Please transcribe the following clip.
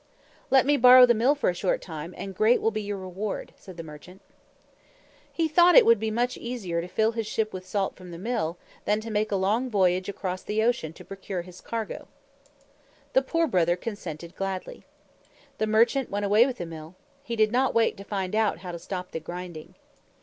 "Let me borrow the Mill for a short time, and great will be your reward," said the merchant. He thought it would be much easier to fill his ship with salt from the Mill, than to make a long voyage across the ocean to procure his cargo. The Poor Brother consented gladly. The merchant went away with the Mill. He did not wait to find out how to stop the grinding.